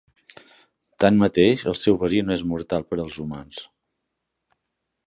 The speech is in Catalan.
Tanmateix, el seu verí no és mortal per als humans.